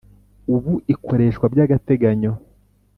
Ubu ikoreshwa by agateganyo